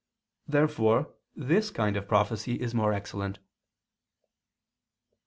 Therefore this kind of prophecy is more excellent.